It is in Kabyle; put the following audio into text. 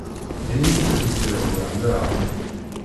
Din iyi-d-tufiḍ wehmeɣ.